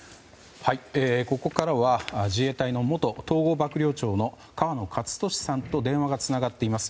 ここからは自衛隊の元統合幕僚長の河野克俊さんと電話がつながっています。